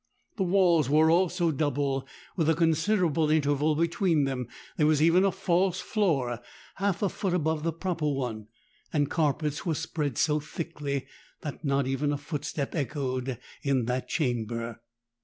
The walls were also double, with a considerable interval between them: there was even a false floor half a foot above the proper one; and carpets were spread so thickly that not even a footstep echoed in that chamber.